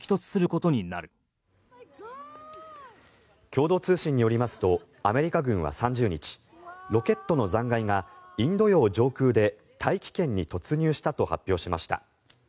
共同通信によりますとアメリカ軍は３０日ロケットの残骸がインド洋上空で大気圏に突入したと発表しました。